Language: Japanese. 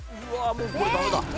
もうこれダメだ。